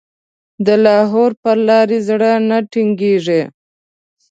د لاهور په لاره زړه نه تنګېږي.